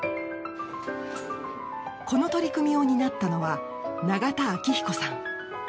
この取り組みを担ったのは永田暁彦さん。